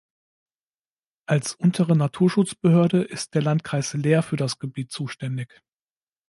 Als untere Naturschutzbehörde ist der Landkreis Leer für das Gebiet zuständig.